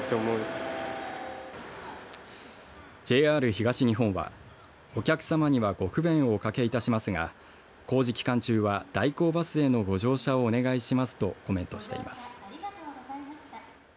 ＪＲ東日本はお客様にはご不便をおかけいたしますが工事期間中は代行バスへのご乗車をお願いしますとコメントしています。